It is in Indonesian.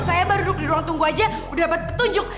saya baru duduk di ruang tunggu aja udah dapat petunjuk